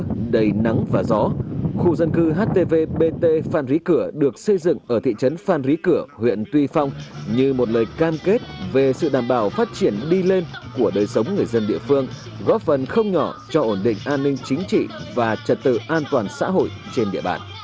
trong thời đầy nắng và gió khu dân cư htv bt phan rí cửa được xây dựng ở thị trấn phan rí cửa huyện tuy phong như một lời cam kết về sự đảm bảo phát triển đi lên của đời sống người dân địa phương góp phần không nhỏ cho ổn định an ninh chính trị và trật tự an toàn xã hội trên địa bàn